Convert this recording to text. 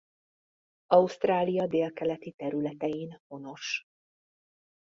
Ausztrália délkeleti területein honos.